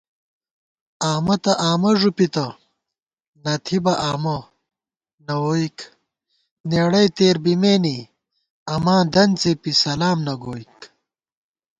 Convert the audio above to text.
آمہ تہ آمہ ݫُپِتہ، نہ تھِبہ آمہ نہ ووئیک * نېڑَئی تېر بِمېنے اماں دن څېپی سلام نہ گوئیک